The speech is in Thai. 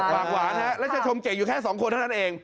ปากหวานนะครับและจะชมเก่งอยู่แค่สองคนท่านเอง